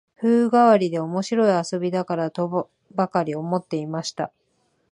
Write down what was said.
風変わりで面白い遊びだから、とばかり思っていました